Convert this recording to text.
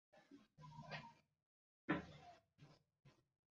Commitment চাই বলে।